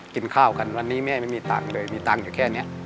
กินข้าวกันวันนี้แม่ไม่มีตังค์เลยมีตังค์อยู่แค่นี้